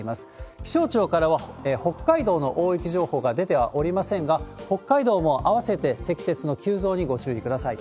気象庁からは、北海道の大雪情報が出てはおりませんが、北海道も合わせて積雪の急増にご注意ください。